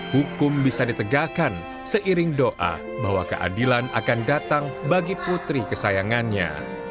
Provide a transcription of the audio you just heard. hukum bisa ditegakkan seiring doa bahwa keadilan akan datang bagi putri kesayangannya